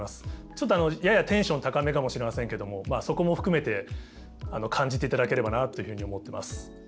ちょっとややテンション高めかもしれませんけどもそこも含めて感じていただければなというふうに思ってます。